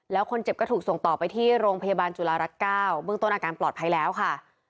แล้วคนเจ็บก็ถูกส่งต่อไปที่โรงพยาบาลจุฬารักษ์๙เบื้องต้นอาการปลอดภัยแล้วค่ะ